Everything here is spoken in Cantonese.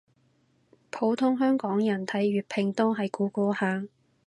普通香港人睇粵拼都係估估下